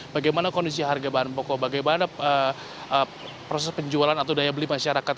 bagaimana kondisi harga bahan pokok bagaimana proses penjualan atau daya beli masyarakat